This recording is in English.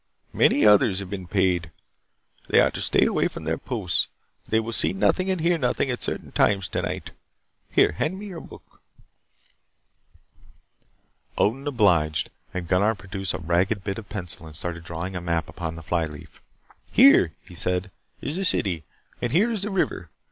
"Many others have been paid. They are to stay away from their posts. They will see nothing and hear nothing at certain times tonight. Here, hand me your book." Odin obliged and Gunnar produced a ragged bit of pencil and started drawing a map upon the fly leaf. "Here," he said, "is the city. And here is the river.